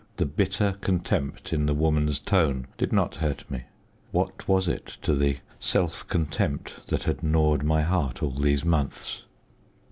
The bitter contempt in the woman's tone did not hurt me; what was it to the self contempt that had gnawed my heart all these months?